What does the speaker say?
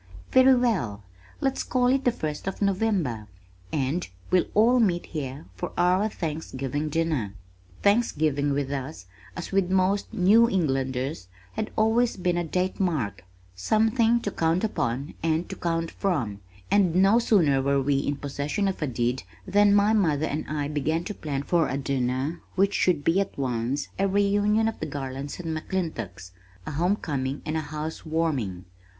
"Very well, let's call it the first of November, and we'll all meet here for our Thanksgiving dinner." Thanksgiving with us, as with most New Englanders, had always been a date mark, something to count upon and to count from, and no sooner were we in possession of a deed, than my mother and I began to plan for a dinner which should be at once a reunion of the Garlands and McClintocks, a homecoming and a housewarming.